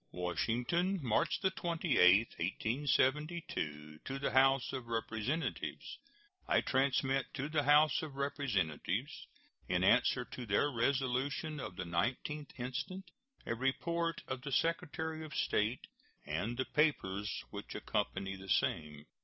] WASHINGTON, March 28, 1872. To the House of Representatives: I transmit to the House of Representatives, in answer to their resolution of the 19th instant, a report of the Secretary of State and the papers which accompany the same.